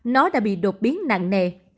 nó đã bị đột biến nặng nề